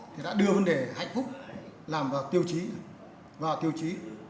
thì đã đưa vấn đề hạnh phúc làm vào tiêu chí